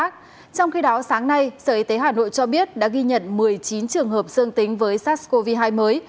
trong khi đó sáng nay sở y tế hà nội cho biết đã ghi nhận một mươi chín trường hợp dương tính với sars cov hai mới